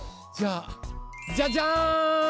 じゃあじゃじゃん！